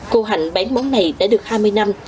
cô hạnh bán món này đã được hai mươi năm